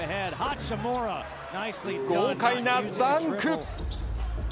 豪快なダンク。